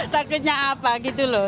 takutnya apa gitu loh